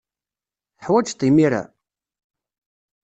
Teḥwajed-t imir-a?